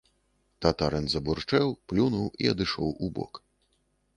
Татарын забурчэў, плюнуў і адышоў убок.